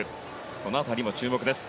この辺りも注目です。